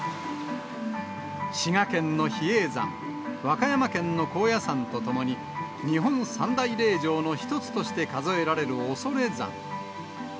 滋賀県の比叡山、和歌山県の高野山とともに、日本三大霊場の一つとして数えられる恐山。